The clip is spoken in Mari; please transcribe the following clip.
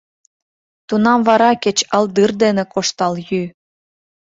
— Тунам вара кеч алдыр дене коштал йӱ...